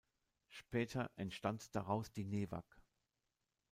Später entstand daraus die Newag.